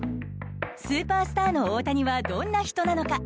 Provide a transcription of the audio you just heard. スーパースターの大谷はどんな人なのか。